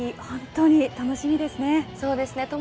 本当に楽しみですね。